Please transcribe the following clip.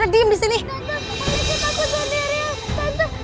tante boleh jemput aku sendiri ya